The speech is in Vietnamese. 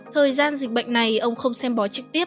thời gian dịch bệnh này ông không xem bói trực tiếp